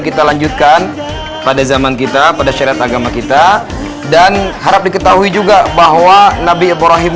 kita lanjutkan pada zaman kita pada syarat agama kita dan harap diketahui juga bahwa nabi ibrahim